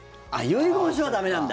遺言書は駄目なんだ。